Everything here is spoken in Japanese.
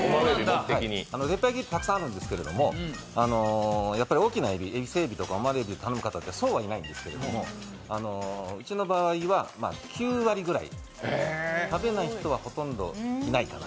たくさんあるんですけど、大きなえび、伊勢エビとかオマール海老を頼む方ってそんなにいないんですけどうちの場合は９割ぐらい、食べない人はほとんどいない。